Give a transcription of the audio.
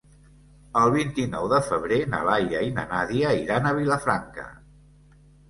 El vint-i-nou de febrer na Laia i na Nàdia iran a Vilafranca.